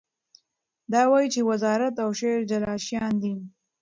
دی وایي چې وزارت او شعر جلا شیان دي.